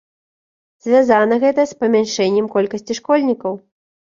Звязана гэта з памяншэннем колькасці школьнікаў.